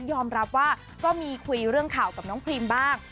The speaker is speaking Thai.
ยอมรับว่าก็มีคุยเรื่องข่าวกับน้องพรีมบ้าง